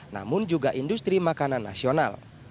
namun juga industri makanan nasional